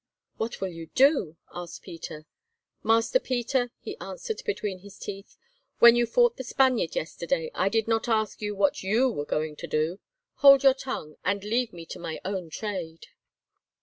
"What will you do?" asked Peter. "Master Peter," he answered between his teeth, "when you fought the Spaniard yesterday I did not ask you what you were going to do. Hold your tongue, and leave me to my own trade."